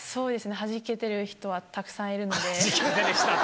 はじけてる人たくさんいるんだね。